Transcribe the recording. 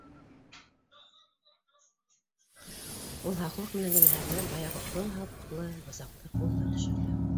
Ул һаҡлыҡ менән генә һәрмәп баяғы оҙон һаплы бысаҡты ҡулына төшөрҙө